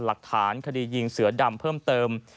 หลักฐานคดียิงเสือดำเพิ่มเติม